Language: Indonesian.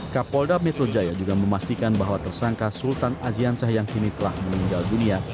kapolda mitrojaya juga memastikan bahwa tersangka sultan aziansyah yang kini telah meninggal dunia